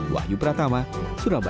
wahyu pratama surabaya